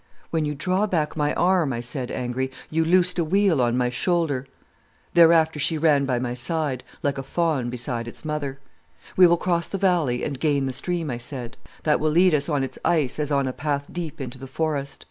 "'When you draw back my arm,' I said, angry, 'you loosen a weal on my shoulder.' "Thereafter she ran by my side, like a fawn beside its mother. "'We will cross the valley and gain the stream,' I said. 'That will lead us on its ice as on a path deep into the forest.